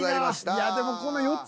いやでもこの４つ。